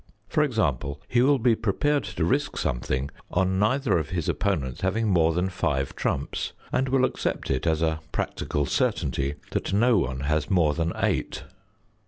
For example, he will be prepared to risk something on neither of his opponents having more than five trumps, and will accept it as a practical certainty that no one has more than eight.